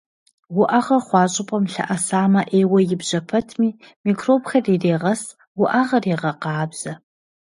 Уӏэгъэ хъуа щӏыпӏэм лъэӏэсамэ, ӏейуэ ибжьэ пэтми, микробхэр ирегъэс, уӏэгъэр егъэкъабзэ.